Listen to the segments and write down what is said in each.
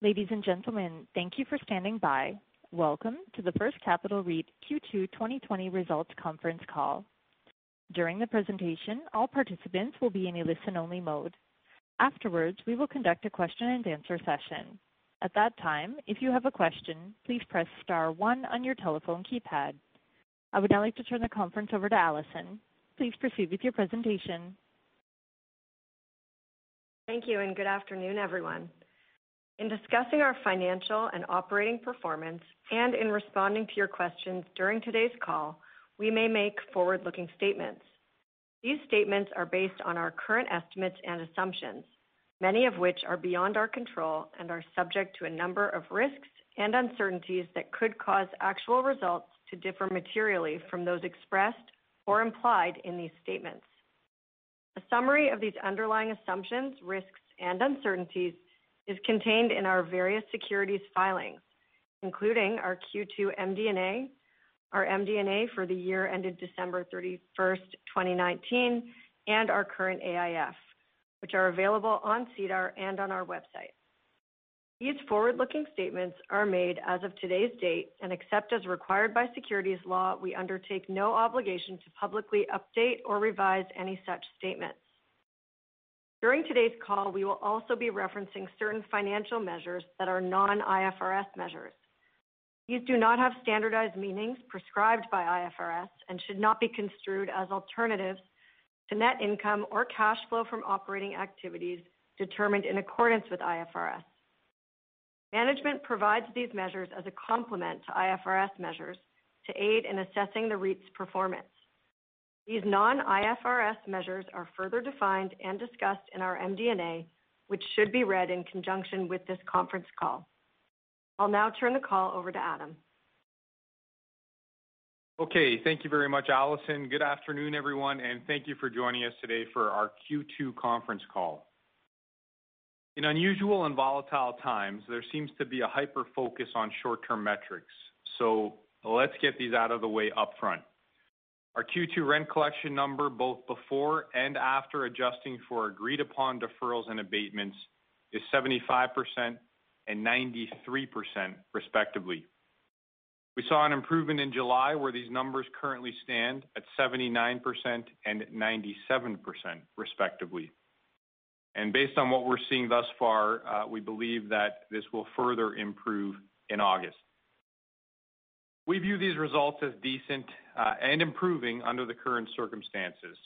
Ladies and gentlemen, thank you for standing by. Welcome to the First Capital REIT Q2 2020 Results Conference Call. During the presentation, all participants will be in a listen-only mode. Afterwards, we will conduct a question-and-answer session. At that time, if you have a question, please press star one on your telephone keypad. I would now like to turn the conference over to Alison. Please proceed with your presentation. Thank you, good afternoon, everyone. In discussing our financial and operating performance, and in responding to your questions during today's call, we may make forward-looking statements. These statements are based on our current estimates and assumptions, many of which are beyond our control and are subject to a number of risks and uncertainties that could cause actual results to differ materially from those expressed or implied in these statements. A summary of these underlying assumptions, risks, and uncertainties is contained in our various securities filings, including our Q2 MD&A, our MD&A for the year ended December 31st, 2019, and our current AIF, which are available on SEDAR and on our website. These forward-looking statements are made as of today's date, and except as required by securities law, we undertake no obligation to publicly update or revise any such statements. During today's call, we will also be referencing certain financial measures that are non-IFRS measures. These do not have standardized meanings prescribed by IFRS and should not be construed as alternatives to net income or cash flow from operating activities determined in accordance with IFRS. Management provides these measures as a complement to IFRS measures to aid in assessing the REIT's performance. These non-IFRS measures are further defined and discussed in our MD&A, which should be read in conjunction with this conference call. I'll now turn the call over to Adam. Okay. Thank you very much, Alison. Good afternoon, everyone, and thank you for joining us today for our Q2 conference call. In unusual and volatile times, there seems to be a hyper-focus on short-term metrics, so let's get these out of the way up front. Our Q2 rent collection number, both before and after adjusting for agreed-upon deferrals and abatements, is 75% and 93%, respectively. We saw an improvement in July, where these numbers currently stand at 79% and 97%, respectively. Based on what we're seeing thus far, we believe that this will further improve in August. We view these results as decent and improving under the current circumstances.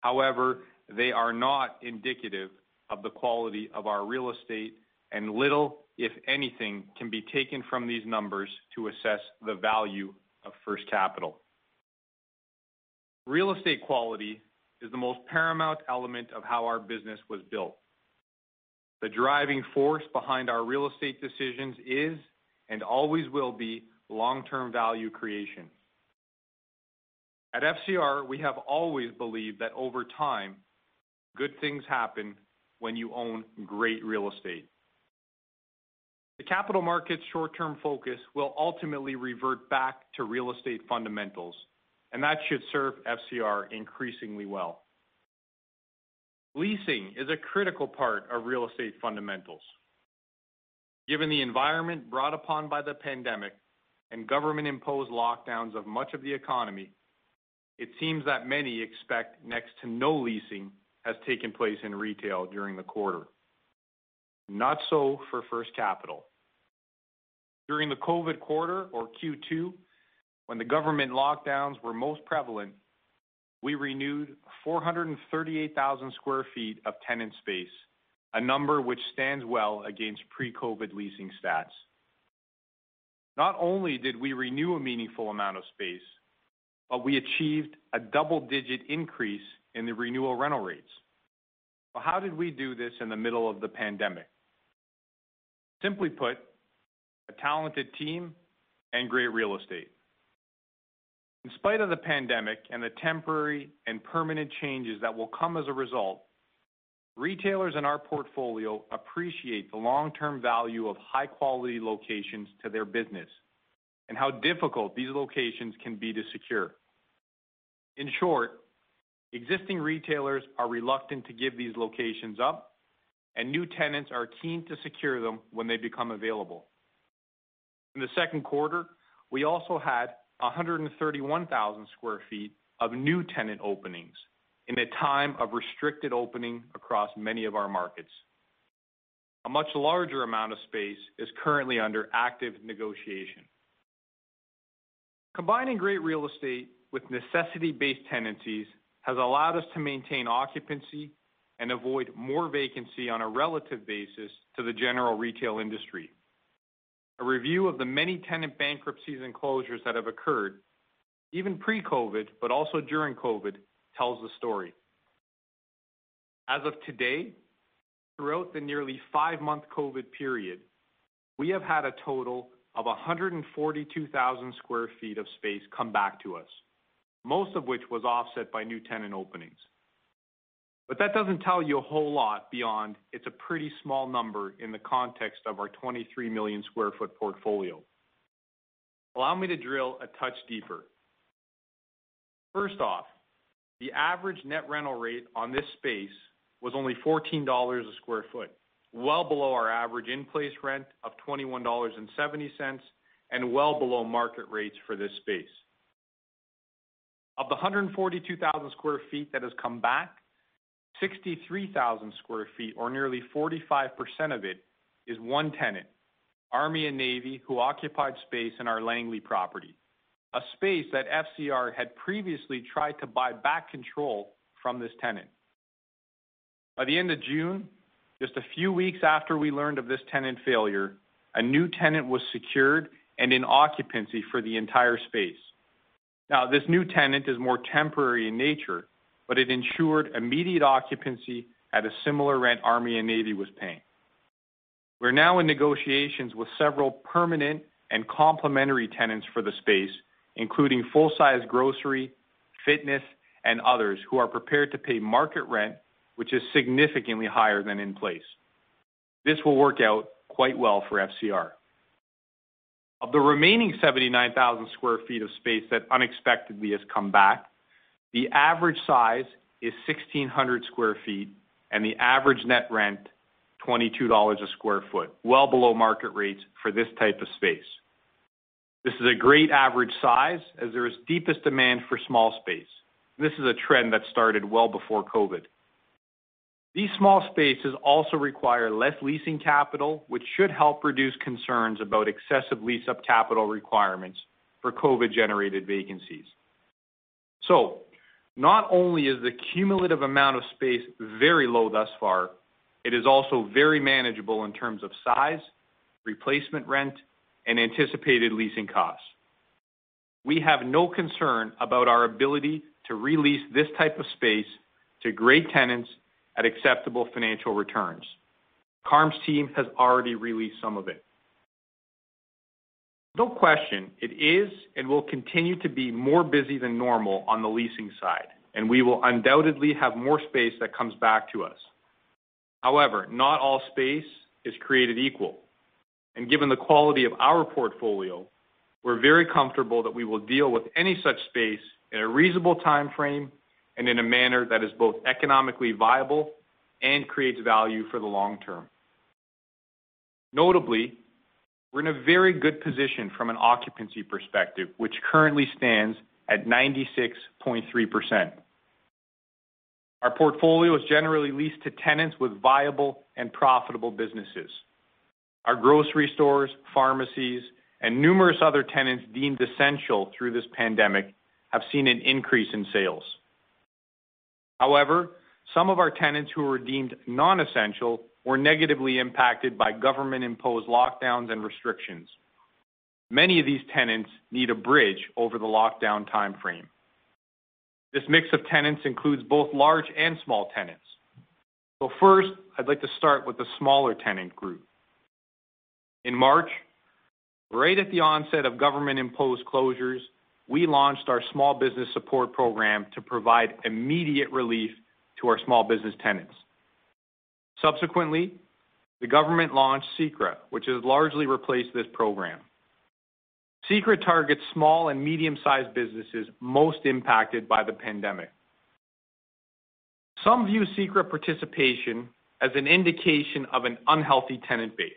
However, they are not indicative of the quality of our real estate, and little, if anything, can be taken from these numbers to assess the value of First Capital. Real estate quality is the most paramount element of how our business was built. The driving force behind our real estate decisions is, and always will be, long-term value creation. At FCR, we have always believed that over time, good things happen when you own great real estate. The capital market's short-term focus will ultimately revert back to real estate fundamentals, and that should serve FCR increasingly well. Leasing is a critical part of real estate fundamentals. Given the environment brought upon by the pandemic and government-imposed lockdowns of much of the economy, it seems that many expect next to no leasing has taken place in retail during the quarter. Not so for First Capital. During the COVID quarter or Q2, when the government lockdowns were most prevalent, we renewed 438,000 square feet of tenant space, a number which stands well against pre-COVID leasing stats. Not only did we renew a meaningful amount of space, but we achieved a double-digit increase in the renewal rental rates. How did we do this in the middle of the pandemic? Simply put, a talented team and great real estate. In spite of the pandemic and the temporary and permanent changes that will come as a result, retailers in our portfolio appreciate the long-term value of high-quality locations to their business and how difficult these locations can be to secure. In short, existing retailers are reluctant to give these locations up, and new tenants are keen to secure them when they become available. In the second quarter, we also had 131,000 sq ft of new tenant openings in a time of restricted opening across many of our markets. A much larger amount of space is currently under active negotiation. Combining great real estate with necessity-based tenancies has allowed us to maintain occupancy and avoid more vacancy on a relative basis to the general retail industry. A review of the many tenant bankruptcies and closures that have occurred, even pre-COVID, but also during COVID, tells the story. As of today, throughout the nearly five-month COVID period, we have had a total of 142,000 sq ft of space come back to us, most of which was offset by new tenant openings. That doesn't tell you a whole lot beyond it's a pretty small number in the context of our 23 million square foot portfolio. Allow me to drill a touch deeper. First off, the average net rental rate on this space was only 14 dollars a sq ft, well below our average in-place rent of 21.70 dollars, and well below market rates for this space. Of the 142,000 square feet that has come back, 63,000 square feet, or nearly 45% of it, is one tenant, Army & Navy, who occupied space in our Langley property, a space that FCR had previously tried to buy back control from this tenant. By the end of June, just a few weeks after we learned of this tenant failure, a new tenant was secured and in occupancy for the entire space. Now, this new tenant is more temporary in nature, but it ensured immediate occupancy at a similar rent Army & Navy was paying. We are now in negotiations with several permanent and complementary tenants for the space, including full-size grocery, fitness, and others who are prepared to pay market rent, which is significantly higher than in place. This will work out quite well for FCR. Of the remaining 79,000 sq ft of space that unexpectedly has come back, the average size is 1,600 sq ft, and the average net rent, 22 dollars a sq ft, well below market rates for this type of space. This is a great average size, as there is deepest demand for small space. This is a trend that started well before COVID. These small spaces also require less leasing capital, which should help reduce concerns about excessive lease-up capital requirements for COVID-generated vacancies. Not only is the cumulative amount of space very low thus far, it is also very manageable in terms of size, replacement rent, and anticipated leasing costs. We have no concern about our ability to re-lease this type of space to great tenants at acceptable financial returns. Carm's team has already re-leased some of it. No question, it is and will continue to be busier than normal on the leasing side. We will undoubtedly have more space that comes back to us. However, not all space is created equal. Given the quality of our portfolio, we are very comfortable that we will deal with any such space in a reasonable timeframe and in a manner that is both economically viable and creates value for the long term. Notably, we are in a very good position from an occupancy perspective, which currently stands at 96.3%. Our portfolio is generally leased to tenants with viable and profitable businesses. Our grocery stores, pharmacies, and numerous other tenants deemed essential through this pandemic have seen an increase in sales. However, some of our tenants who were deemed non-essential were negatively impacted by government-imposed lockdowns and restrictions. Many of these tenants need a bridge over the lockdown timeframe. This mix of tenants includes both large and small tenants. First, I'd like to start with the smaller tenant group. In March, right at the onset of government-imposed closures, we launched our Small Business Program to provide immediate relief to our small business tenants. Subsequently, the government launched CECRA, which has largely replaced this program. CECRA targets small and medium-sized businesses most impacted by the pandemic. Some view CECRA participation as an indication of an unhealthy tenant base.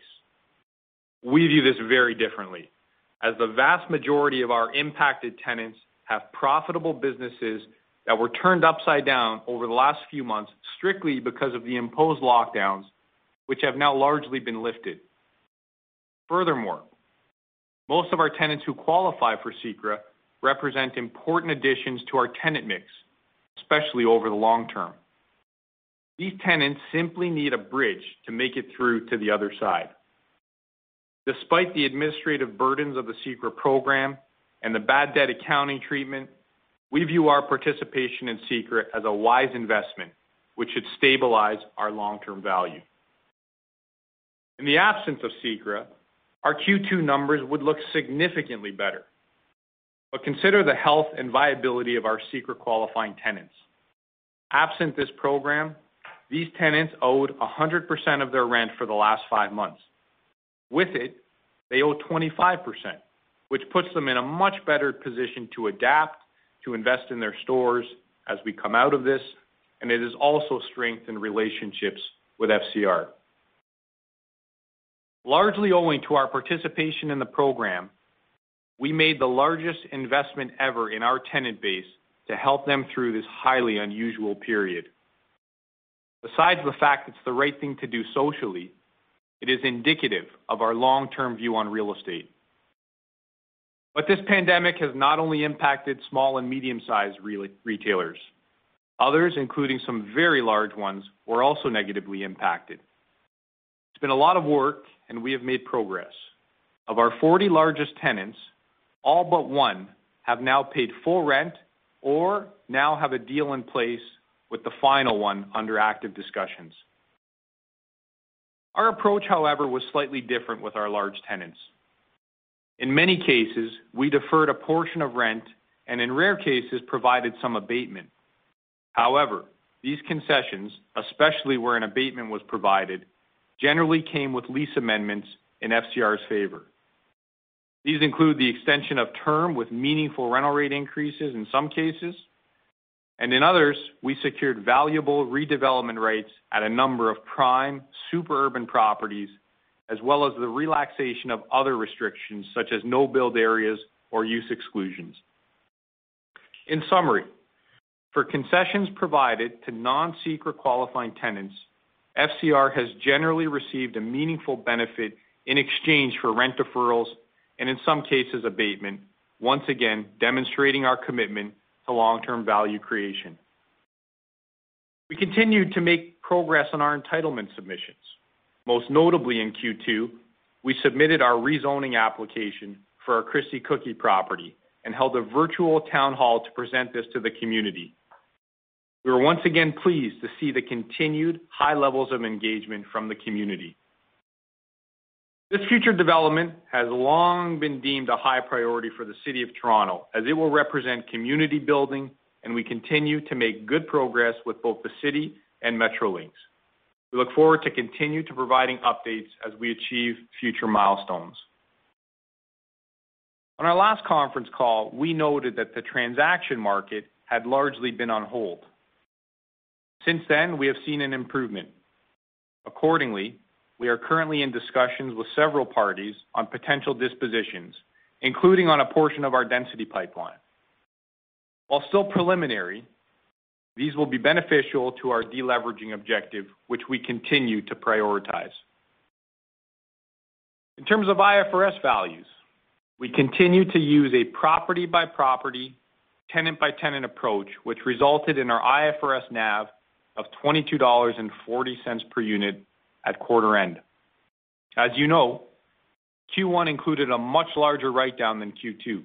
We view this very differently, as the vast majority of our impacted tenants have profitable businesses that were turned upside down over the last few months strictly because of the imposed lockdowns, which have now largely been lifted. Furthermore, most of our tenants who qualify for CECRA represent important additions to our tenant mix, especially over the long term. These tenants simply need a bridge to make it through to the other side. Despite the administrative burdens of the CECRA program and the bad debt accounting treatment, we view our participation in CECRA as a wise investment, which should stabilize our long-term value. In the absence of CECRA, our Q2 numbers would look significantly better. Consider the health and viability of our CECRA-qualifying tenants. Absent this program, these tenants owed 100% of their rent for the last five months. With it, they owe 25%, which puts them in a much better position to adapt, to invest in their stores as we come out of this. It has also strengthened relationships with FCR. Largely owing to our participation in the program, we made the largest investment ever in our tenant base to help them through this highly unusual period. Besides the fact it's the right thing to do socially, it is indicative of our long-term view on real estate. This pandemic has not only impacted small and medium-sized retailers. Others, including some very large ones, were also negatively impacted. It's been a lot of work, and we have made progress. Of our 40 largest tenants, all but one have now paid full rent or now have a deal in place with the final one under active discussions. Our approach, however, was slightly different with our large tenants. In many cases, we deferred a portion of rent, and in rare cases, provided some abatement. However, these concessions, especially where an abatement was provided, generally came with lease amendments in FCR's favor. These include the extension of term with meaningful rental rate increases in some cases. In others, we secured valuable redevelopment rights at a number of prime super urban properties, as well as the relaxation of other restrictions, such as no-build areas or use exclusions. In summary, for concessions provided to non-CECRA qualifying tenants, FCR has generally received a meaningful benefit in exchange for rent deferrals, and in some cases, abatement, once again, demonstrating our commitment to long-term value creation. We continued to make progress on our entitlement submissions. Most notably in Q2, we submitted our rezoning application for our Christie Cookie property and held a virtual town hall to present this to the community. We were once again pleased to see the continued high levels of engagement from the community. This future development has long been deemed a high priority for the city of Toronto as it will represent community building, and we continue to make good progress with both the city and Metrolinx. We look forward to continue to providing updates as we achieve future milestones. On our last conference call, we noted that the transaction market had largely been on hold. Since then, we have seen an improvement. Accordingly, we are currently in discussions with several parties on potential dispositions, including on a portion of our density pipeline. While still preliminary, these will be beneficial to our de-leveraging objective, which we continue to prioritize. In terms of IFRS values, we continue to use a property-by-property, tenant-by-tenant approach, which resulted in our IFRS NAV of 22.40 dollars per unit at quarter end. As you know, Q1 included a much larger write-down than Q2.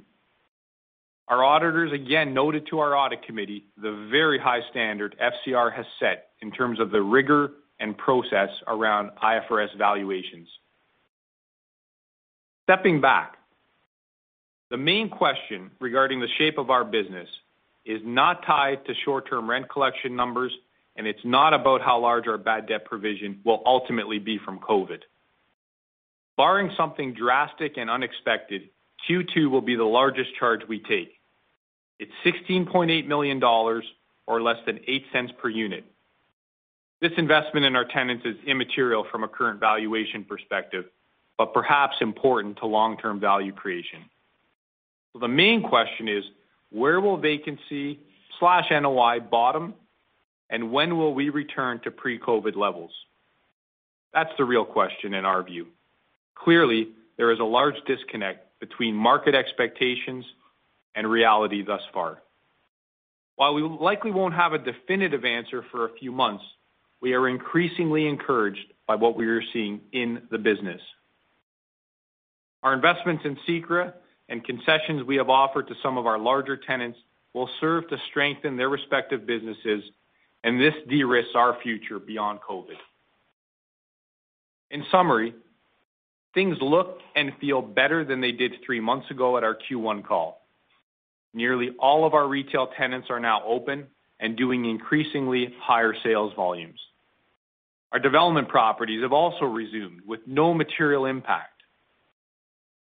Our auditors again noted to our audit committee the very high standard FCR has set in terms of the rigor and process around IFRS valuations. Stepping back, the main question regarding the shape of our business is not tied to short-term rent collection numbers, and it's not about how large our bad debt provision will ultimately be from COVID. Barring something drastic and unexpected, Q2 will be the largest charge we take. It's 16.8 million dollars, or less than 0.08 per unit. This investment in our tenants is immaterial from a current valuation perspective, but perhaps important to long-term value creation. The main question is: Where will vacancy/NOI bottom, and when will we return to pre-COVID levels? That's the real question in our view. Clearly, there is a large disconnect between market expectations and reality thus far. While we likely won't have a definitive answer for a few months, we are increasingly encouraged by what we are seeing in the business. Our investments in CECRA and concessions we have offered to some of our larger tenants will serve to strengthen their respective businesses, and this de-risks our future beyond COVID. In summary, things look and feel better than they did three months ago at our Q1 call. Nearly all of our retail tenants are now open and doing increasingly higher sales volumes. Our development properties have also resumed with no material impact.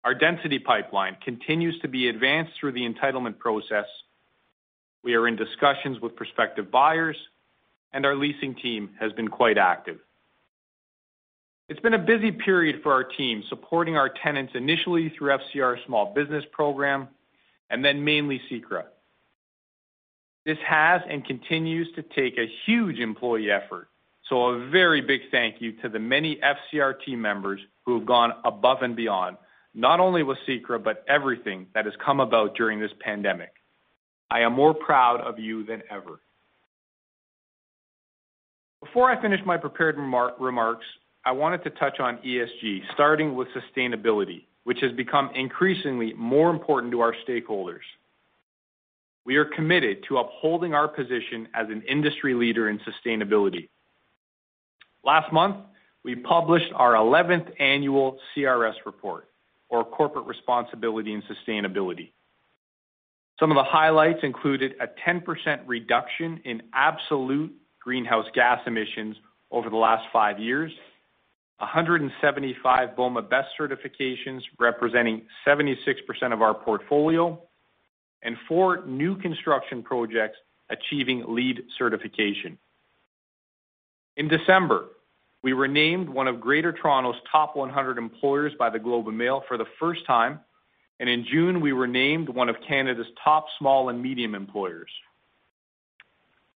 Our density pipeline continues to be advanced through the entitlement process. We are in discussions with prospective buyers, and our leasing team has been quite active. It's been a busy period for our team, supporting our tenants initially through FCR Small Business Program and then mainly CECRA. This has and continues to take a huge employee effort. A very big thank you to the many FCR team members who have gone above and beyond, not only with CECRA, but everything that has come about during this pandemic. I am more proud of you than ever. Before I finish my prepared remarks, I wanted to touch on ESG, starting with sustainability, which has become increasingly more important to our stakeholders. We are committed to upholding our position as an industry leader in sustainability. Last month, we published our 11th annual CRS report, or Corporate Responsibility and Sustainability. Some of the highlights included a 10% reduction in absolute greenhouse gas emissions over the last five years, 175 BOMA BEST certifications representing 76% of our portfolio, and four new construction projects achieving LEED certification. In December, we were named one of Greater Toronto's Top 100 Employers by The Globe and Mail for the first time, and in June, we were named one of Canada's top small and medium employers.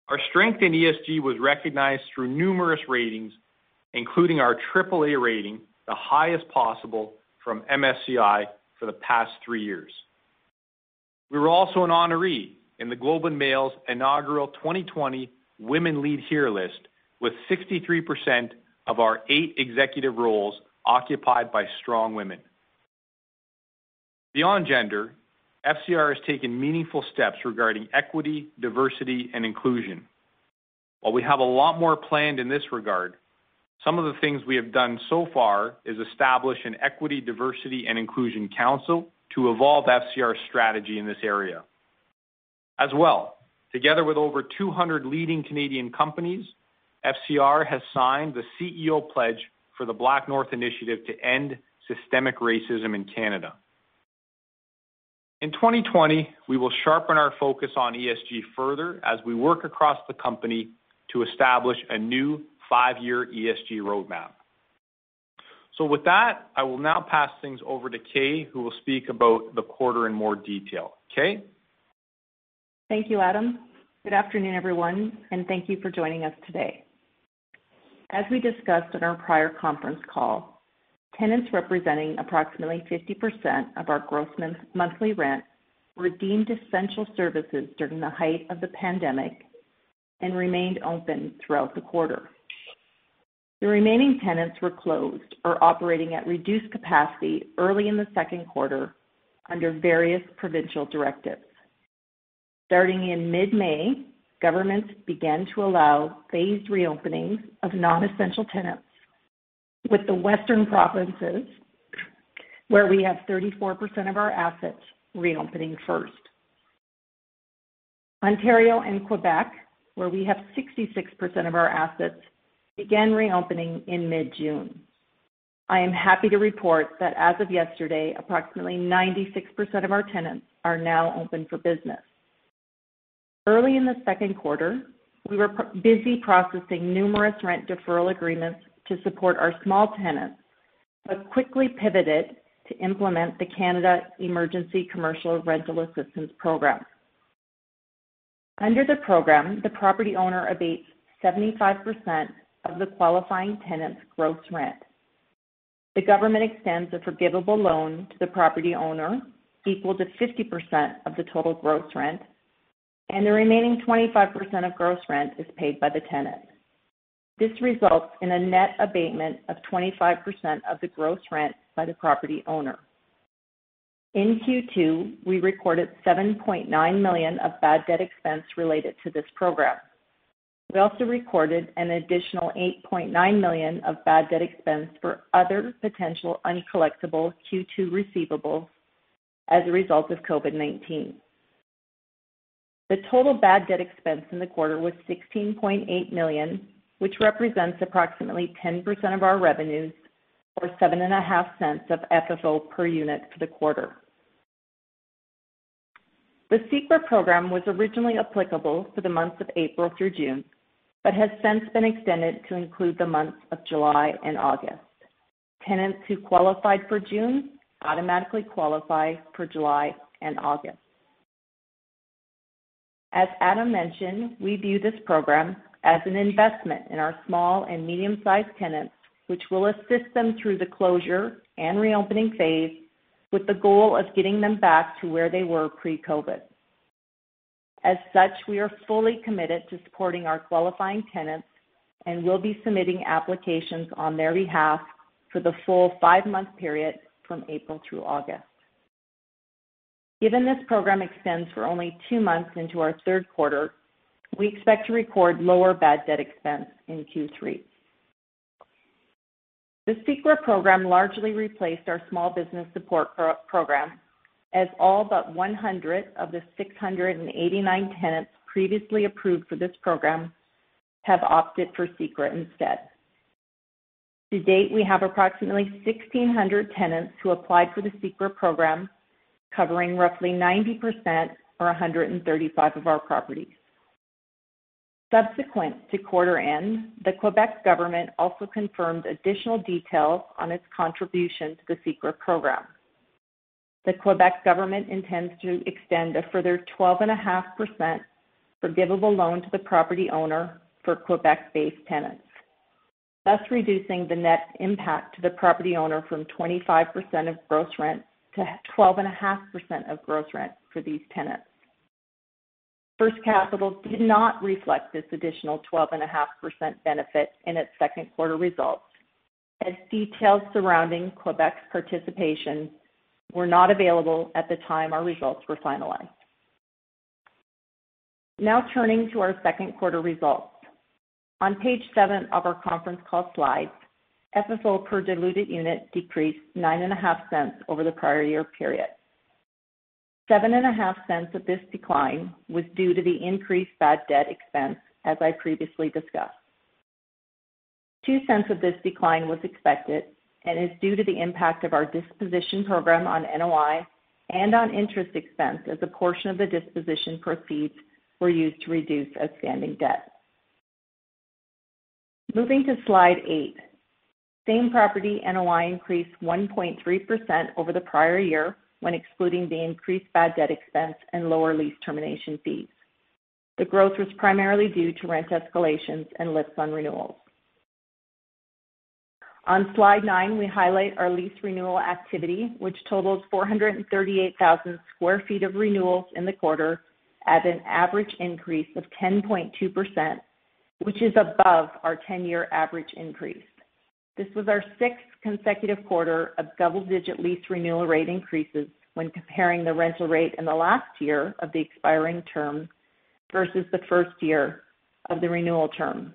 Our strength in ESG was recognized through numerous ratings, including our AAA rating, the highest possible from MSCI for the past three years. We were also an honoree in The Globe and Mail's inaugural 2020 Women Lead Here list, with 63% of our eight executive roles occupied by strong women. Beyond gender, FCR has taken meaningful steps regarding equity, diversity, and inclusion. While we have a lot more planned in this regard, some of the things we have done so far is establish an equity, diversity, and inclusion council to evolve FCR's strategy in this area. As well, together with over 200 leading Canadian companies, FCR has signed the CEO pledge for the BlackNorth Initiative to end systemic racism in Canada. In 2020, we will sharpen our focus on ESG further as we work across the company to establish a new five-year ESG roadmap. With that, I will now pass things over to Kay, who will speak about the quarter in more detail. Kay? Thank you, Adam. Good afternoon, everyone, and thank you for joining us today. As we discussed on our prior conference call, tenants representing approximately 50% of our gross monthly rent were deemed essential services during the height of the pandemic and remained open throughout the quarter. The remaining tenants were closed or operating at reduced capacity early in the second quarter under various provincial directives. Starting in mid-May, governments began to allow phased reopenings of non-essential tenants, with the western provinces, where we have 34% of our assets, reopening first. Ontario and Quebec, where we have 66% of our assets, began reopening in mid-June. I am happy to report that as of yesterday, approximately 96% of our tenants are now open for business. Early in the second quarter, we were busy processing numerous rent deferral agreements to support our small tenants, but quickly pivoted to implement the Canada Emergency Commercial Rent Assistance program. Under the program, the property owner abates 75% of the qualifying tenant's gross rent. The government extends a forgivable loan to the property owner equal to 50% of the total gross rent, and the remaining 25% of gross rent is paid by the tenant. This results in a net abatement of 25% of the gross rent by the property owner. In Q2, we recorded 7.9 million of bad debt expense related to this program. We also recorded an additional 8.9 million of bad debt expense for other potential uncollectible Q2 receivables as a result of COVID-19. The total bad debt expense in the quarter was 16.8 million, which represents approximately 10% of our revenues or 0.075 of FFO per unit for the quarter. The CECRA program was originally applicable for the months of April through June, but has since been extended to include the months of July and August. Tenants who qualified for June automatically qualify for July and August. As Adam mentioned, we view this program as an investment in our small and medium-sized tenants, which will assist them through the closure and reopening phase with the goal of getting them back to where they were pre-COVID. As such, we are fully committed to supporting our qualifying tenants and will be submitting applications on their behalf for the full five-month period from April through August. Given this program extends for only two months into our third quarter, we expect to record lower bad debt expense in Q3. The CECRA program largely replaced our Small Business Support Program, as all but 100 of the 689 tenants previously approved for this program have opted for CECRA instead. To date, we have approximately 1,600 tenants who applied for the CECRA program, covering roughly 90%, or 135 of our properties. Subsequent to quarter end, the Quebec government also confirmed additional details on its contribution to the CECRA program. The Quebec government intends to extend a further 12.5% forgivable loan to the property owner for Quebec-based tenants, thus reducing the net impact to the property owner from 25% of gross rent to 12.5% of gross rent for these tenants. First Capital did not reflect this additional 12.5% benefit in its second-quarter results, as details surrounding Quebec's participation were not available at the time our results were finalized. Now turning to our second quarter results. On page seven of our conference call slides, FFO per diluted unit decreased 0.095 over the prior year period. 0.075 of this decline was due to the increased bad debt expense, as I previously discussed. 0.02 of this decline was expected and is due to the impact of our disposition program on NOI and on interest expense, as a portion of the disposition proceeds were used to reduce outstanding debt. Moving to slide eight. Same property NOI increased 1.3% over the prior year when excluding the increased bad debt expense and lower lease termination fees. The growth was primarily due to rent escalations and lifts on renewals. On slide nine, we highlight our lease renewal activity, which totals 438,000 square feet of renewals in the quarter at an average increase of 10.2%, which is above our 10-year average increase. This was our sixth consecutive quarter of double-digit lease renewal rate increases when comparing the rental rate in the last year of the expiring term versus the first year of the renewal term.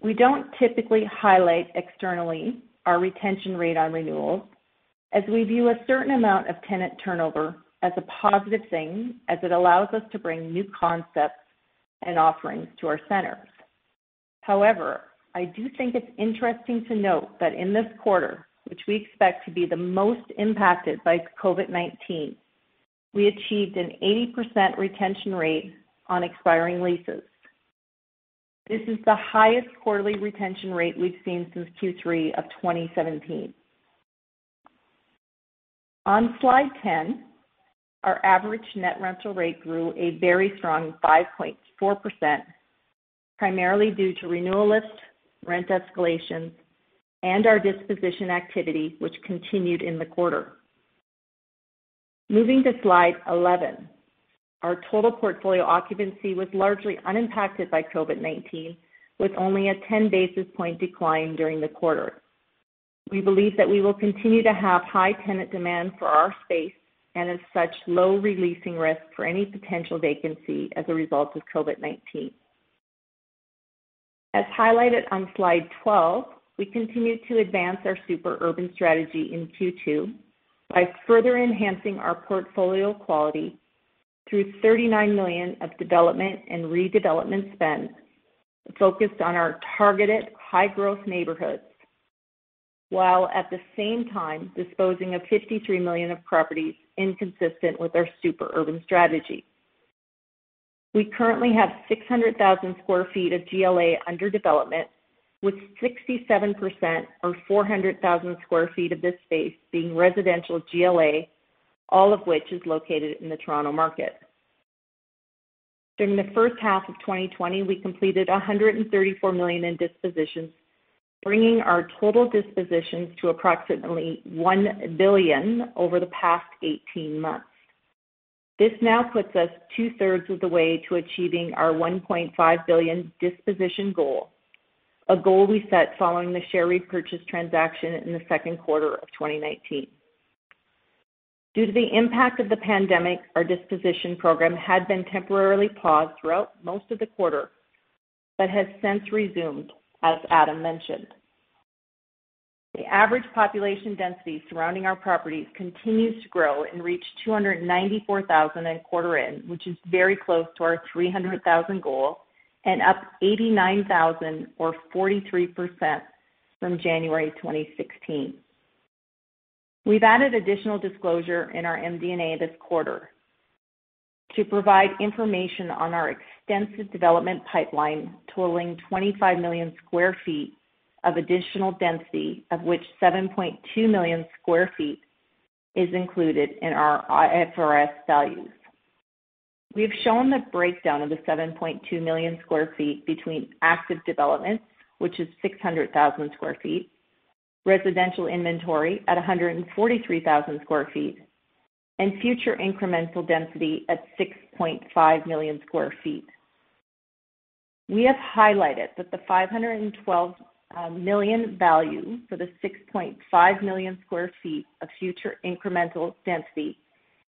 We don't typically highlight externally our retention rate on renewals, as we view a certain amount of tenant turnover as a positive thing, as it allows us to bring new concepts and offerings to our centers. However, I do think it's interesting to note that in this quarter, which we expect to be the most impacted by COVID-19, we achieved an 80% retention rate on expiring leases. This is the highest quarterly retention rate we've seen since Q3 of 2017. On slide 10, our average net rental rate grew a very strong 5.4%, primarily due to renewal lifts, rent escalations, and our disposition activity, which continued in the quarter. Moving to slide 11. Our total portfolio occupancy was largely unimpacted by COVID-19, with only a 10-basis point decline during the quarter. We believe that we will continue to have high tenant demand for our space, and as such, low re-leasing risk for any potential vacancy as a result of COVID-19. As highlighted on slide 12, we continued to advance our super urban strategy in Q2 by further enhancing our portfolio quality through 39 million of development and redevelopment spend, focused on our targeted high-growth neighborhoods, while at the same time disposing of 53 million of properties inconsistent with our super urban strategy. We currently have 600,000 square feet of GLA under development, with 67%, or 400,000 square feet of this space being residential GLA, all of which is located in the Toronto market. During the first half of 2020, we completed 134 million in dispositions, bringing our total dispositions to approximately 1 billion over the past 18 months. This now puts us two-thirds of the way to achieving our 1.5 billion disposition goal, a goal we set following the share repurchase transaction in the second quarter of 2019. Due to the impact of the pandemic, our disposition program had been temporarily paused throughout most of the quarter, but has since resumed, as Adam mentioned. The average population density surrounding our properties continues to grow and reached 294,000 at quarter end, which is very close to our 300,000 goal, and up 89,000, or 43%, from January 2016. We've added additional disclosure in our MD&A this quarter to provide information on our extensive development pipeline totaling 25 million square feet of additional density, of which 7.2 million square feet is included in our IFRS values. We've shown the breakdown of the 7.2 million square feet between active developments, which is 600,000 square feet, residential inventory at 143,000 square feet, and future incremental density at 6.5 million square feet. We have highlighted that the 512 million value for the 6.5 million square feet of future incremental density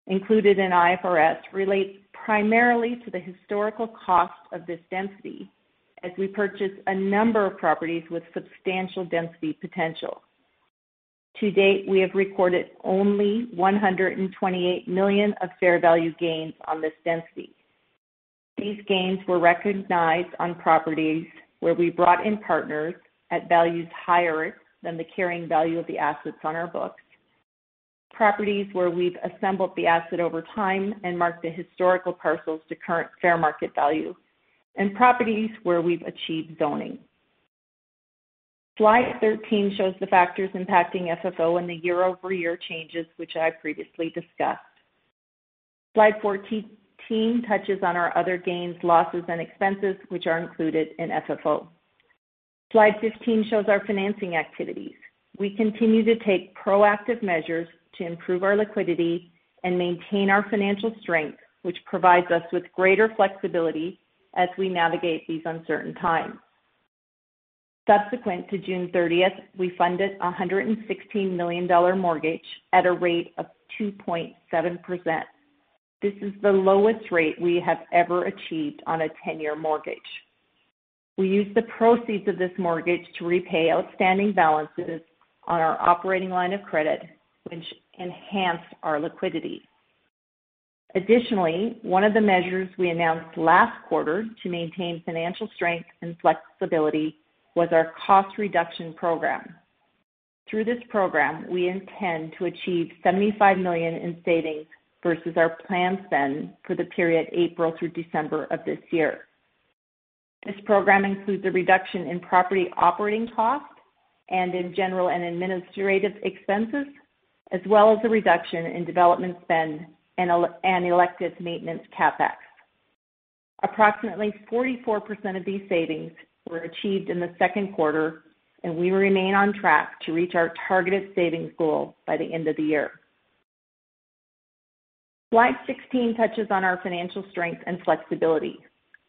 included in IFRS relate primarily to the historical cost of this density, as we purchased a number of properties with substantial density potential. To date, we have recorded only 128 million of fair value gains on this density. These gains were recognized on properties where we brought in partners at values higher than the carrying value of the assets on our books, properties where we've assembled the asset over time and marked the historical parcels to current fair market value, and properties where we've achieved zoning. Slide 13 shows the factors impacting FFO and the year-over-year changes, which I previously discussed. Slide 14 touches on our other gains, losses, and expenses, which are included in FFO. Slide 15 shows our financing activities. We continue to take proactive measures to improve our liquidity and maintain our financial strength, which provides us with greater flexibility as we navigate these uncertain times. Subsequent to June 30th, we funded a 116 million dollar mortgage at a rate of 2.7%. This is the lowest rate we have ever achieved on a 10-year mortgage. We used the proceeds of this mortgage to repay outstanding balances on our operating line of credit, which enhanced our liquidity. Additionally, one of the measures we announced last quarter to maintain financial strength and flexibility was our cost reduction program. Through this program, we intend to achieve 75 million in savings versus our planned spend for the period April through December of this year. This program includes a reduction in property operating costs and in general and administrative expenses, as well as a reduction in development spend and elected maintenance CapEx. Approximately 44% of these savings were achieved in the second quarter, and we remain on track to reach our targeted savings goal by the end of the year. Slide 16 touches on our financial strength and flexibility.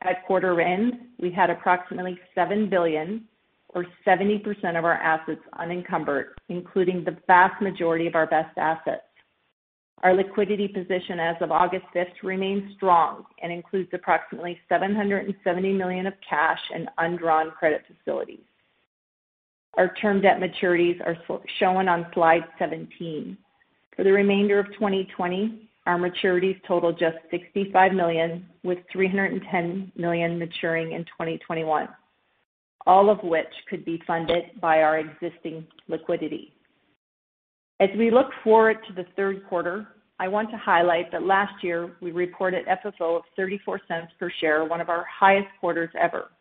At quarter end, we had approximately 7 billion or 70% of our assets unencumbered, including the vast majority of our best assets. Our liquidity position as of August 5th remains strong and includes approximately 770 million of cash and undrawn credit facilities. Our term debt maturities are shown on slide 17. For the remainder of 2020, our maturities total just 65 million, with 310 million maturing in 2021, all of which could be funded by our existing liquidity. As we look forward to the third quarter, I want to highlight that last year, we reported FFO of 0.34 per share, one of our highest quarters ever.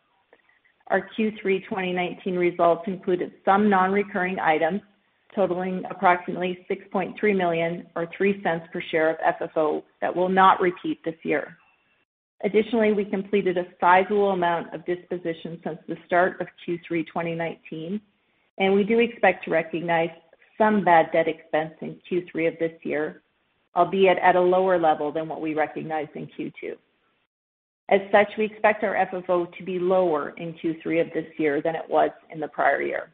Our Q3 2019 results included some non-recurring items totaling approximately 6.3 million or 0.03 per share of FFO that will not repeat this year. Additionally, we completed a sizable amount of dispositions since the start of Q3 2019, and we do expect to recognize some bad debt expense in Q3 of this year, albeit at a lower level than what we recognized in Q2. As such, we expect our FFO to be lower in Q3 of this year than it was in the prior year.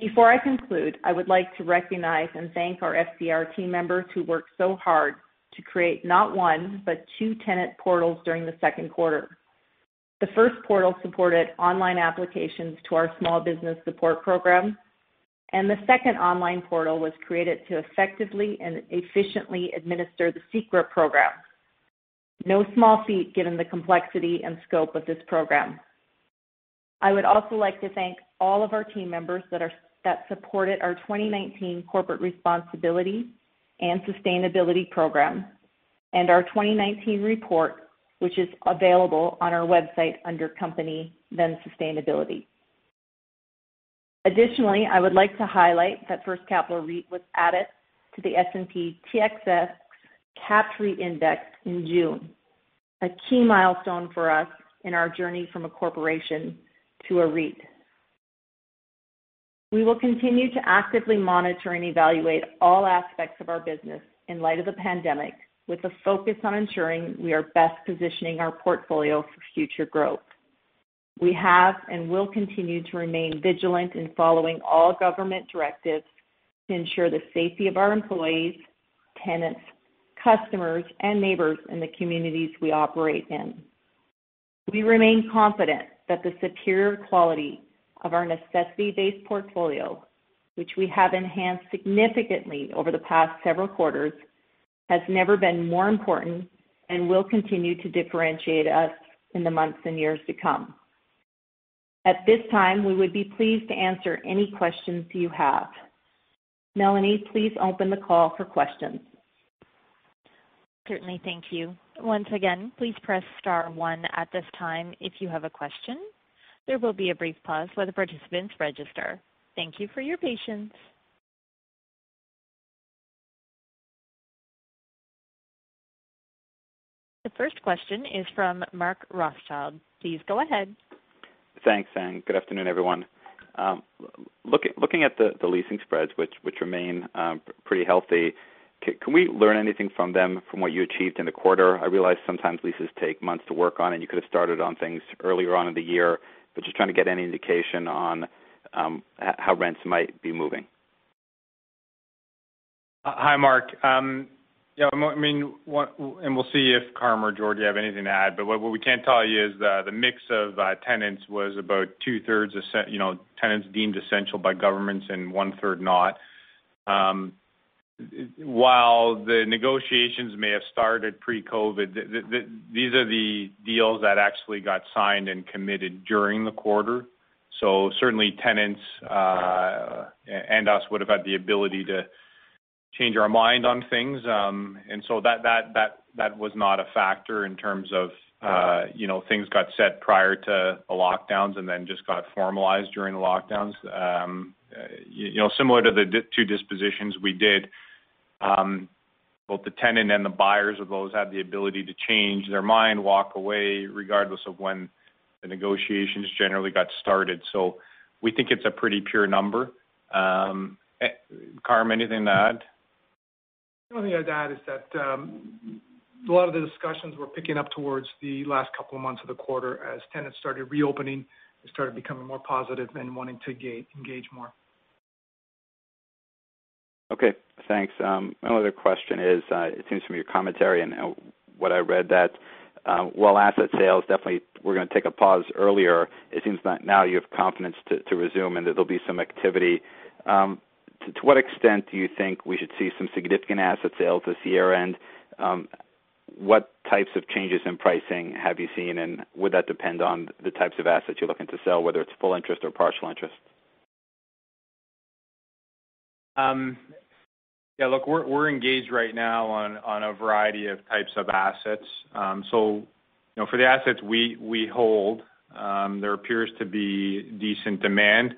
Before I conclude, I would like to recognize and thank our FCR team members who worked so hard to create not one but two tenant portals during the second quarter. The first portal supported online applications to our Small Business Program, and the second online portal was created to effectively and efficiently administer the CECRA program. No small feat given the complexity and scope of this program. I would also like to thank all of our team members that supported our 2019 corporate responsibility and sustainability program and our 2019 report, which is available on our website under company, then sustainability. Additionally, I would like to highlight that First Capital REIT was added to the S&P/TSX Capped REIT Index in June, a key milestone for us in our journey from a corporation to a REIT. We will continue to actively monitor and evaluate all aspects of our business in light of the pandemic, with a focus on ensuring we are best positioning our portfolio for future growth. We have and will continue to remain vigilant in following all government directives to ensure the safety of our employees, tenants, customers, and neighbors in the communities we operate in. We remain confident that the superior quality of our necessity-based portfolio, which we have enhanced significantly over the past several quarters, has never been more important and will continue to differentiate us in the months and years to come. At this time, we would be pleased to answer any questions you have. Melanie, please open the call for questions. Certainly. Thank you. Once again, please press star one at this time if you have a question. There will be a brief pause while the participants register. Thank you for your patience. The first question is from Mark Rothschild. Please go ahead. Thanks, Anne. Good afternoon, everyone. Looking at the leasing spreads, which remain pretty healthy, can we learn anything from them from what you achieved in the quarter? I realize sometimes leases take months to work on, and you could have started on things earlier on in the year, but just trying to get any indication on how rents might be moving. Hi, Mark. We'll see if Carm or Jodi have anything to add, but what we can tell you is the mix of tenants was about two-thirds tenants deemed essential by governments and one-third not. While the negotiations may have started pre-COVID, these are the deals that actually got signed and committed during the quarter. Certainly, tenants and us would have had the ability to change our mind on things. That was not a factor in terms of things got set prior to the lockdowns and then just got formalized during the lockdowns. Similar to the two dispositions we did, both the tenant and the buyers of those had the ability to change their mind, walk away, regardless of when the negotiations generally got started. We think it's a pretty pure number. Carm, anything to add? The only thing to add is that a lot of the discussions were picking up towards the last couple of months of the quarter as tenants started reopening. They started becoming more positive and wanting to engage more. Okay. Thanks. My other question is, it seems from your commentary and what I read that while asset sales definitely were going to take a pause earlier, it seems that now you have confidence to resume, and there'll be some activity. To what extent do you think we should see some significant asset sales this year end? What types of changes in pricing have you seen? Would that depend on the types of assets you're looking to sell, whether it's full interest or partial interest? Yeah, look, we're engaged right now on a variety of types of assets. For the assets we hold, there appears to be decent demand.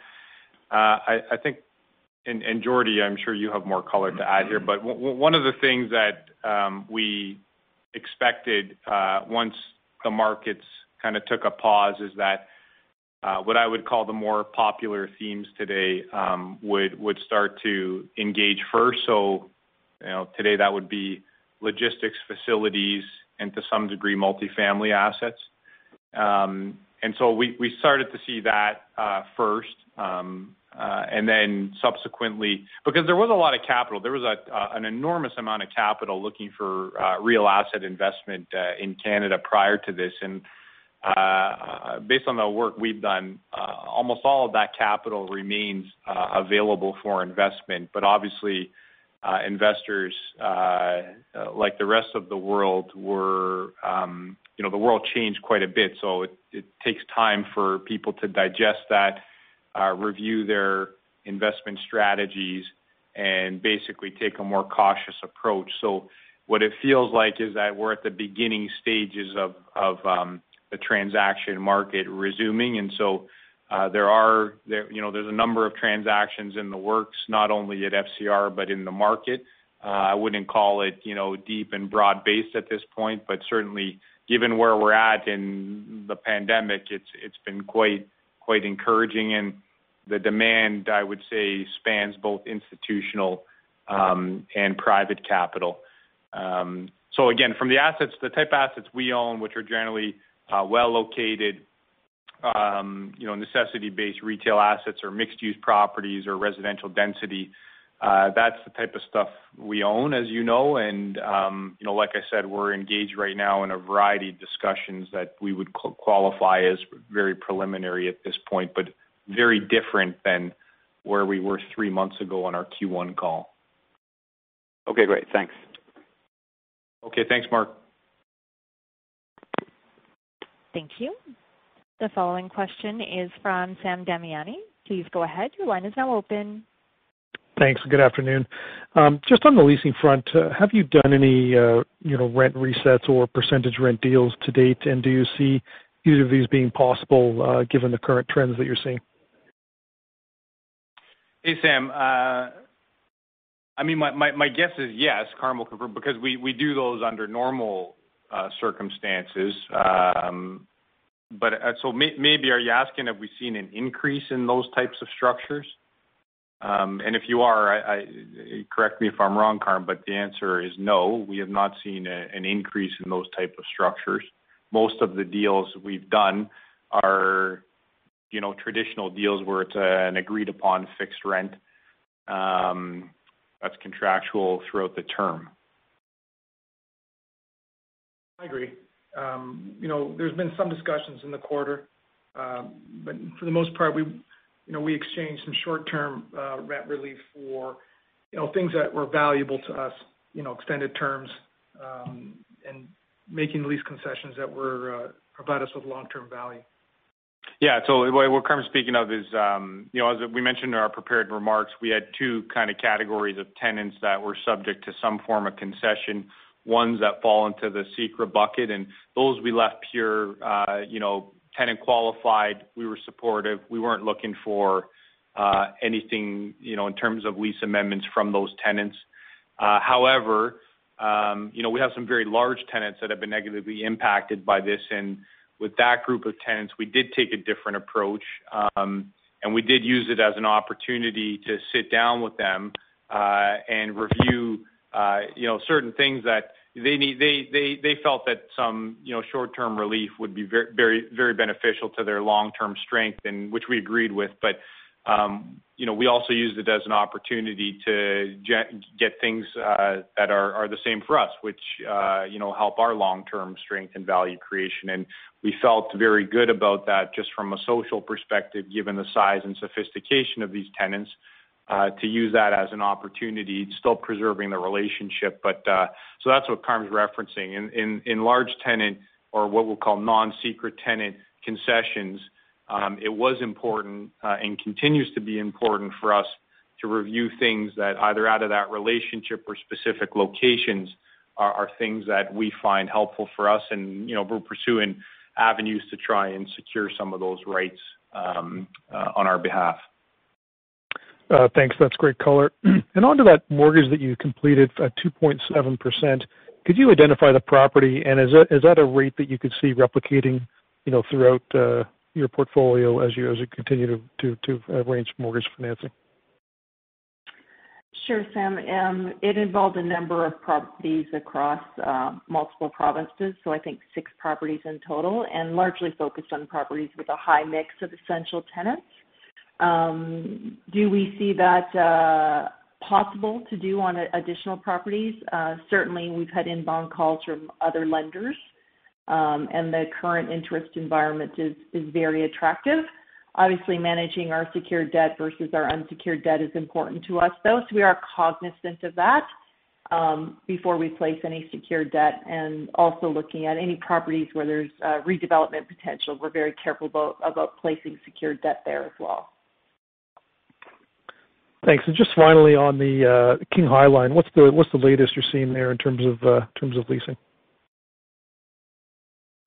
Jodi, I'm sure you have more color to add here. One of the things that we expected once the markets kind of took a pause is that what I would call the more popular themes today would start to engage first. Today, that would be logistics facilities, and to some degree, multifamily assets. We started to see that first, and then subsequently. Because there was a lot of capital. There was an enormous amount of capital looking for real asset investment in Canada prior to this. Based on the work we've done, almost all of that capital remains available for investment. Obviously, investors, like the rest of the world, the world changed quite a bit; it takes time for people to digest that, review their investment strategies, and basically take a more cautious approach. What it feels like is that we're at the beginning stages of the transaction market resuming. There's a number of transactions in the works, not only at FCR but in the market. I wouldn't call it deep and broad-based at this point. Certainly given where we're at in the pandemic, it's been quite encouraging. The demand, I would say, spans both institutional and private capital. Again, from the type of assets we own, which are generally well-located, necessity-based retail assets or mixed-use properties or residential density, that's the type of stuff we own, as you know. Like I said, we're engaged right now in a variety of discussions that we would qualify as very preliminary at this point, but very different than where we were three months ago on our Q1 call. Okay, great. Thanks. Okay, thanks, Mark. Thank you. The following question is from Sam Damiani. Please go ahead. Thanks. Good afternoon. Just on the leasing front, have you done any rent resets or percentage rent deals to date? Do you see either of these being possible, given the current trends that you're seeing? Hey, Sam. My guess is yes. Carm will confirm, because we do those under normal circumstances. Maybe are you asking, have we seen an increase in those types of structures? If you are, correct me if I'm wrong, Carm, the answer is no. We have not seen an increase in those type of structures. Most of the deals we've done are traditional deals where it's an agreed-upon fixed rent that's contractual throughout the term. I agree. There's been some discussions in the quarter. For the most part, we exchanged some short-term rent relief for things that were valuable to us, extended terms, and making lease concessions that provide us with long-term value. Yeah, totally. What Carm's speaking of is, as we mentioned in our prepared remarks, we had two kind of categories of tenants that were subject to some form of concession, ones that fall into the CECRA bucket, and those we left pure tenant qualified. We were supportive. We weren't looking for anything in terms of lease amendments from those tenants. We have some very large tenants that have been negatively impacted by this, and with that group of tenants, we did take a different approach. We did use it as an opportunity to sit down with them, and review certain things that they felt that some short-term relief would be very beneficial to their long-term strength, and which we agreed with. We also used it as an opportunity to get things that are the same for us, which help our long-term strength and value creation. We felt very good about that, just from a social perspective, given the size and sophistication of these tenants, to use that as an opportunity, still preserving the relationship. That's what Carm's referencing. In large tenant, or what we'll call non-CECRA tenant concessions, it was important and continues to be important for us to review things that either out of that relationship or specific locations are things that we find helpful for us, and we're pursuing avenues to try and secure some of those rights on our behalf. Thanks. That's great color. Onto that mortgage that you completed at 2.7%, could you identify the property, and is that a rate that you could see replicating throughout your portfolio as you continue to arrange mortgage financing? Sure, Sam. It involved a number of properties across multiple provinces, so I think six properties in total, and largely focused on properties with a high mix of essential tenants. Do we see that possible to do on additional properties? Certainly, we've had inbound calls from other lenders. The current interest environment is very attractive. Obviously, managing our secured debt versus our unsecured debt is important to us, though, so we are cognizant of that before we place any secured debt. Also looking at any properties where there's redevelopment potential. We're very careful about placing secured debt there as well. Thanks. Just finally, on the King High Line, what's the latest you're seeing there in terms of leasing?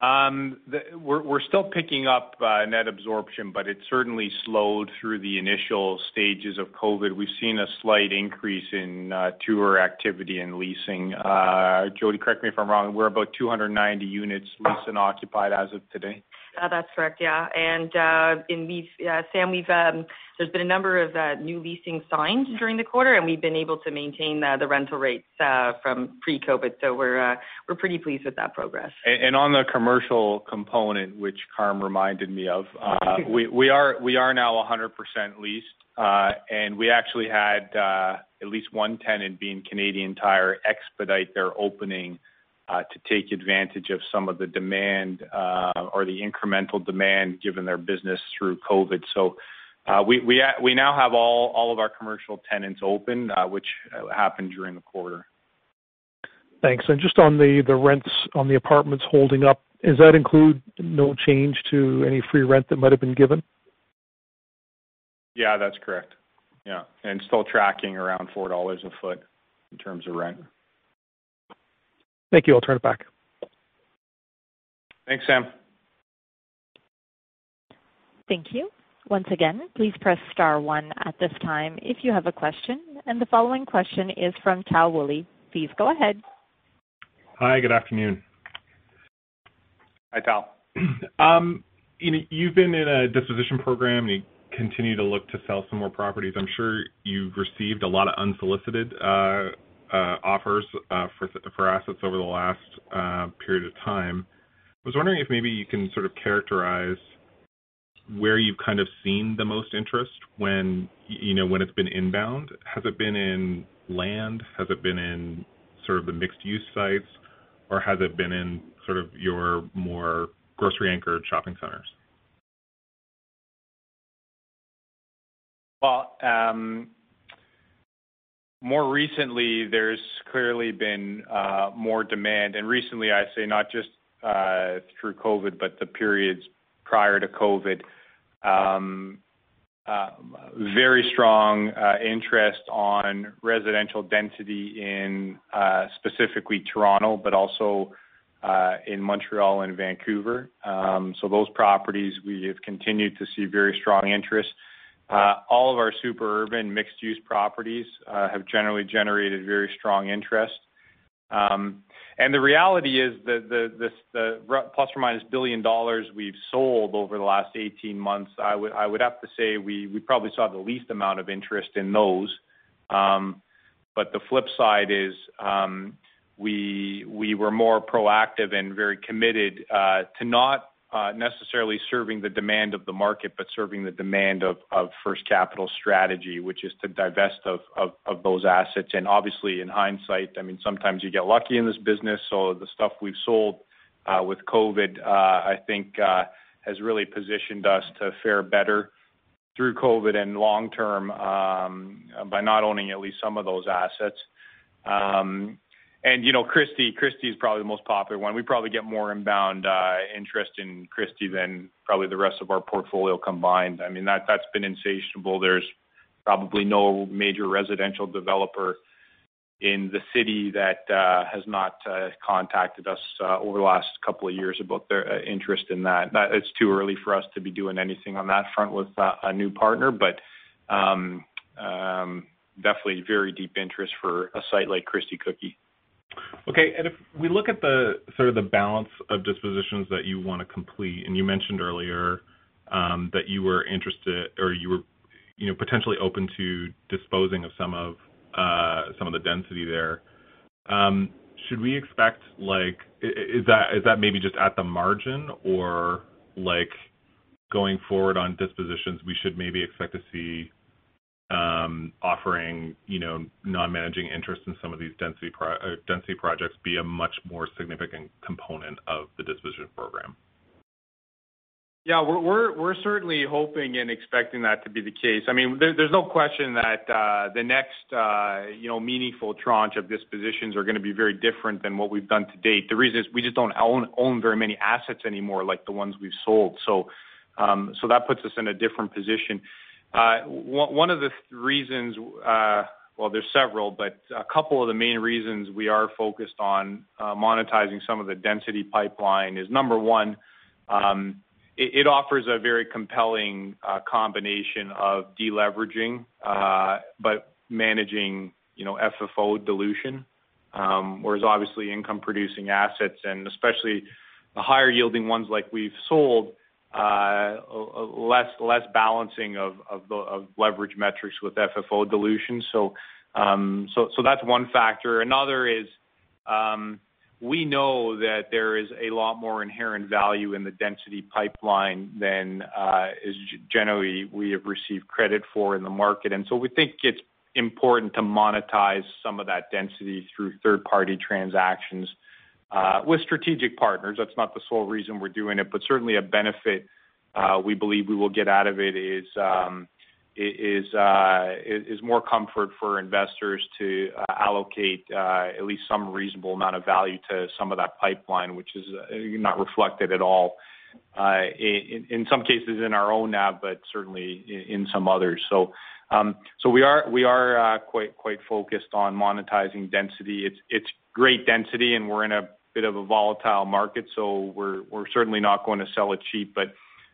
We're still picking up net absorption, but it certainly slowed through the initial stages of COVID. We've seen a slight increase in tour activity and leasing. Jodi, correct me if I'm wrong, we're about 290 units leased and occupied as of today. That's correct, yeah. Sam, there's been a number of new leasing signs during the quarter, and we've been able to maintain the rental rates from pre-COVID. We're pretty pleased with that progress. On the commercial component, which Carm reminded me of, we are now 100% leased. We actually had at least one tenant, being Canadian Tire, expedite their opening to take advantage of some of the demand or the incremental demand given their business through COVID. We now have all of our commercial tenants open, which happened during the quarter. Thanks. Just on the rents on the apartments holding up, does that include no change to any free rent that might have been given? Yeah, that's correct. Yeah. Still tracking around 4 dollars a foot in terms of rent. Thank you. I'll turn it back. Thanks, Sam. Thank you. Once again, please press star one at this time if you have a question. The following question is from Tal Woolley. Please go ahead. Hi, good afternoon. Hi, Tal. You've been in a disposition program, and you continue to look to sell some more properties. I'm sure you've received a lot of unsolicited offers for assets over the last period of time. I was wondering if maybe you can sort of characterize where you've kind of seen the most interest when it's been inbound? Has it been in land? Has it been in sort of the mixed-use sites, or has it been in sort of your more grocery-anchored shopping centers? More recently, there's clearly been more demand. Recently, I say not just through COVID, but the periods prior to COVID. Very strong interest on residential density in, specifically, Toronto, but also in Montreal and Vancouver. Those properties, we have continued to see very strong interest. All of our super-urban mixed-use properties have generally generated very strong interest. The reality is that the ± 1 billion dollars we've sold over the last 18 months, I would have to say we probably saw the least amount of interest in those. The flip side is, we were more proactive and very committed to not necessarily serving the demand of the market, but serving the demand of First Capital strategy, which is to divest of those assets. Obviously, in hindsight, sometimes you get lucky in this business. The stuff we've sold with COVID, I think, has really positioned us to fare better through COVID and long term by not owning at least some of those assets. Christie is probably the most popular one. We probably get more inbound interest in Christie than probably the rest of our portfolio combined. That's been insatiable. There's probably no major residential developer in the city that has not contacted us over the last couple of years about their interest in that. It's too early for us to be doing anything on that front with a new partner. Definitely very deep interest for a site like Christie Cookie. Okay. If we look at the sort of the balance of dispositions that you want to complete, and you mentioned earlier that you were interested or you were potentially open to disposing of some of the density there. Is that maybe just at the margin, or going forward on dispositions, we should maybe expect to see offering non-managing interest in some of these density projects be a much more significant component of the disposition program? Yeah, we're certainly hoping and expecting that to be the case. There's no question that the next meaningful tranche of dispositions are going to be very different than what we've done to date. The reason is we just don't own very many assets anymore like the ones we've sold. That puts us in a different position. One of the reasons, well, there's several, but a couple of the main reasons we are focused on monetizing some of the density pipeline is, number 1, it offers a very compelling combination of deleveraging, but managing FFO dilution, whereas obviously income-producing assets, and especially the higher-yielding ones like we've sold, less balancing of leverage metrics with FFO dilution. That's one factor. Another is, we know that there is a lot more inherent value in the density pipeline than is generally we have received credit for in the market. We think it's important to monetize some of that density through third-party transactions with strategic partners. That's not the sole reason we're doing it, but certainly a benefit we believe we will get out of it is more comfort for investors to allocate at least some reasonable amount of value to some of that pipeline, which is not reflected at all in some cases in our own NAV, but certainly in some others. We are quite focused on monetizing density. It's great density, and we're in a bit of a volatile market, so we're certainly not going to sell it cheap. There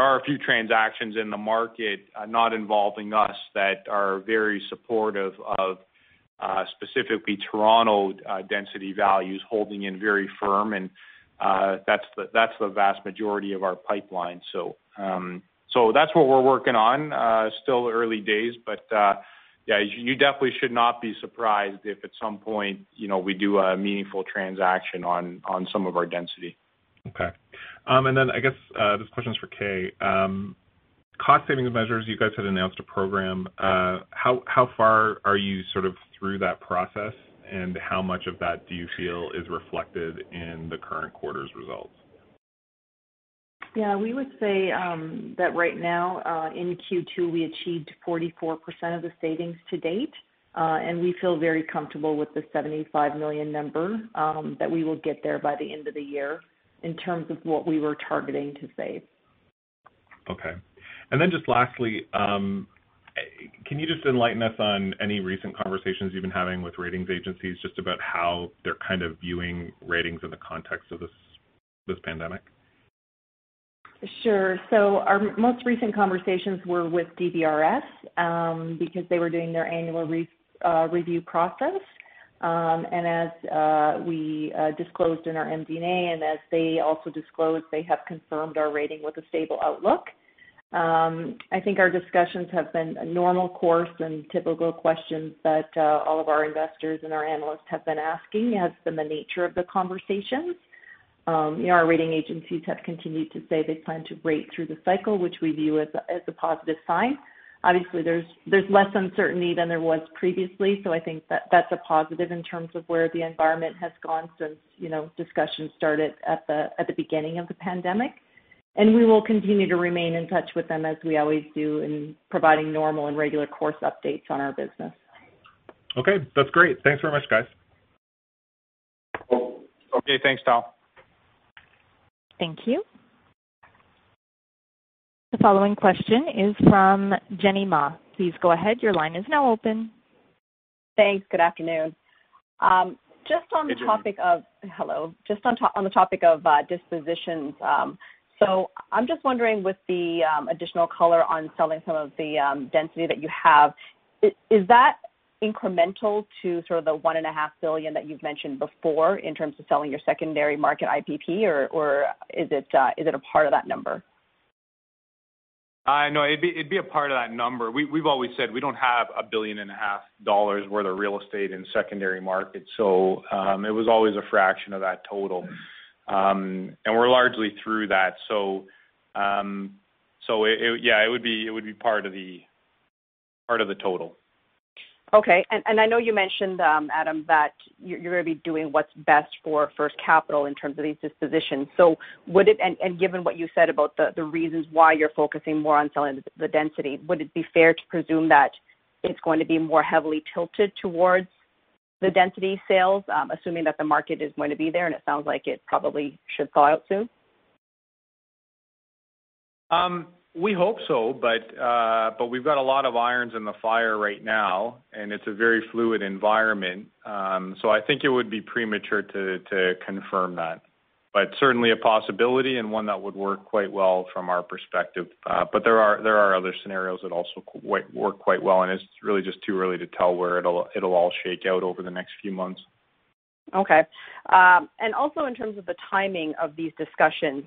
are a few transactions in the market, not involving us, that are very supportive of specifically Toronto density values holding in very firm, and that's the vast majority of our pipeline. That's what we're working on. Still early days. Yeah, you definitely should not be surprised if at some point, we do a meaningful transaction on some of our density. Okay. I guess this question is for Kay. Cost savings measures, you guys had announced a program. How far are you sort of through that process, and how much of that do you feel is reflected in the current quarter's results? Yeah, we would say that right now, in Q2, we achieved 44% of the savings to date. We feel very comfortable with the 75 million number, that we will get there by the end of the year, in terms of what we were targeting to save. Okay. Just lastly, can you just enlighten us on any recent conversations you've been having with ratings agencies just about how they're kind of viewing ratings in the context of this pandemic? Sure. Our most recent conversations were with DBRS because they were doing their annual review process. As we disclosed in our MD&A and as they also disclosed, they have confirmed our rating with a stable outlook. I think our discussions have been a normal course, and typical questions that all of our investors and our analysts have been asking has been the nature of the conversations. Our rating agencies have continued to say they plan to rate through the cycle, which we view as a positive sign. Obviously, there's less uncertainty than there was previously. I think that's a positive in terms of where the environment has gone since discussions started at the beginning of the pandemic. We will continue to remain in touch with them as we always do in providing normal and regular course updates on our business. Okay, that's great. Thanks very much, guys. Okay. Thanks, Tal. Thank you. The following question is from Jenny Ma. Please go ahead. Thanks. Good afternoon. Hey, Jenny. Hello. Just on the topic of dispositions. I'm just wondering with the additional color on selling some of the density that you have, is that incremental to sort of the 1.5 billion that you've mentioned before in terms of selling your secondary market IPP, or is it a part of that number? It'd be a part of that number. We've always said we don't have a billion and a half dollars worth of real estate in secondary markets; it was always a fraction of that total. We're largely through that. Yeah, it would be part of the total. Okay. I know you mentioned, Adam, that you're going to be doing what's best for First Capital in terms of these dispositions. Given what you said about the reasons why you're focusing more on selling the density, would it be fair to presume that it's going to be more heavily tilted towards the density sales, assuming that the market is going to be there, and it sounds like it probably should thaw out soon? We hope so. We've got a lot of irons in the fire right now, and it's a very fluid environment. I think it would be premature to confirm that. Certainly a possibility, and one that would work quite well from our perspective. There are other scenarios that also work quite well, and it's really just too early to tell where it'll all shake out over the next few months. Okay. Also, in terms of the timing of these discussions,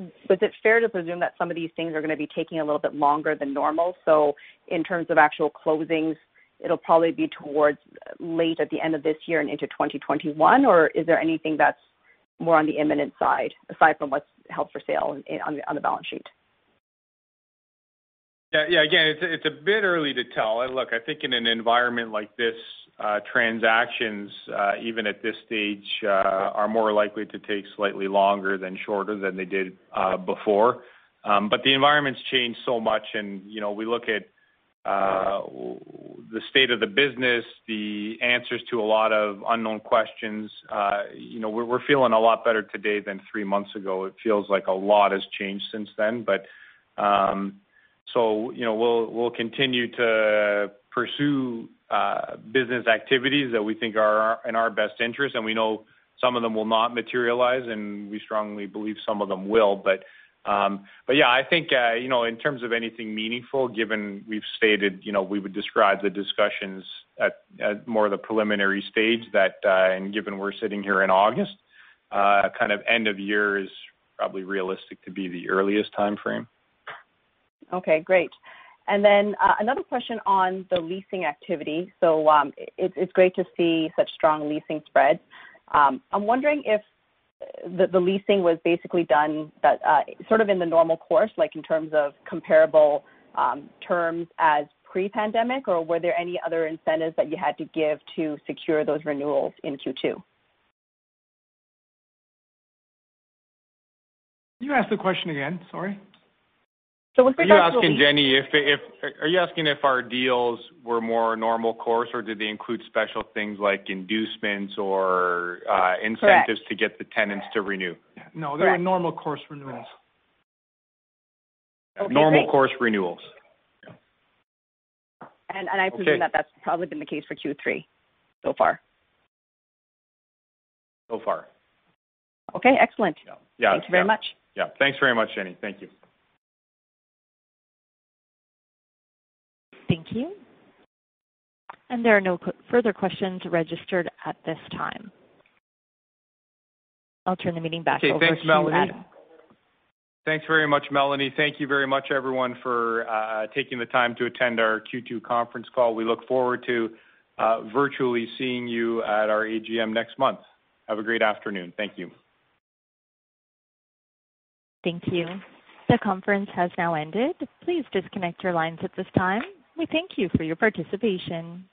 is it fair to presume that some of these things are going to be taking a little bit longer than normal? In terms of actual closings, it'll probably be towards late at the end of this year and into 2021, or is there anything that's more on the imminent side aside from what's held for sale on the balance sheet? Yeah. Again, it's a bit early to tell. Look, I think in an environment like this, transactions, even at this stage, are more likely to take slightly longer than shorter than they did before. The environment's changed so much, and we look at the state of the business, the answers to a lot of unknown questions. We're feeling a lot better today than three months ago. It feels like a lot has changed since then. We'll continue to pursue business activities that we think are in our best interest, and we know some of them will not materialize, and we strongly believe some of them will. Yeah, I think, in terms of anything meaningful, given we've stated we would describe the discussions at more the preliminary stage that, and given we're sitting here in August, end of year is probably realistic to be the earliest timeframe. Okay, great. Another question on the leasing activity. It's great to see such strong leasing spreads. I'm wondering if the leasing was basically done sort of in the normal course, like in terms of comparable terms as pre-pandemic, or were there any other incentives that you had to give to secure those renewals in Q2? Can you ask the question again? Sorry. With regards to. Are you asking, Jenny, if our deals were more normal course, or did they include special things like inducements or incentives? Correct To get the tenants to renew? No, they were normal course renewals. Okay, thanks. Normal course renewals. I presume that that's probably been the case for Q3 so far. So far. Okay, excellent. Yeah. Thanks very much. Yeah. Thanks very much, Jenny. Thank you. Thank you. There are no further questions registered at this time. I'll turn the meeting back over to you, Adam. Okay. Thanks, Melanie. Thanks very much, Melanie. Thank you very much, everyone, for taking the time to attend our Q2 conference call. We look forward to virtually seeing you at our AGM next month. Have a great afternoon. Thank you. Thank you. The conference has now ended. Please disconnect your lines at this time. We thank you for your participation.